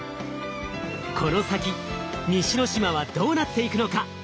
この先西之島はどうなっていくのか？